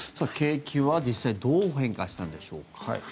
景気は実際どう変化したんでしょうか。